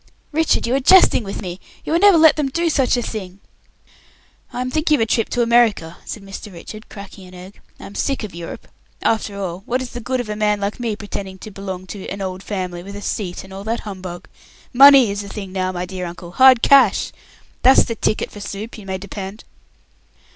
"Richard, you are jesting with me! You will never let them do such a thing!" "I'm thinking of a trip to America," said Mr. Richard, cracking an egg. "I am sick of Europe. After all, what is the good of a man like me pretending to belong to 'an old family', with 'a seat' and all that humbug? Money is the thing now, my dear uncle. Hard cash! That's the ticket for soup, you may depend."